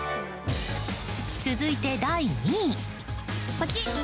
続いて、第２位。